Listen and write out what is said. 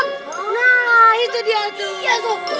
tuh sob itu dia sob